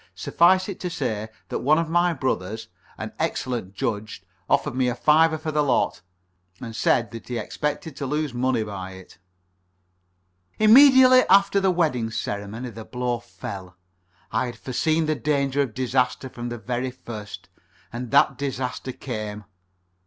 Suffice it to say that one of my brothers, an excellent judge, offered me a fiver for the lot, and said that he expected to lose money by it. Immediately after the wedding ceremony the blow fell. I had foreseen the danger of disaster from the very first, and that disaster came.